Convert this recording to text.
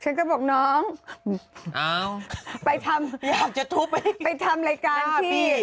ฉันก็บอกน้องไปทำอยากจะทุบไปทำรายการพี่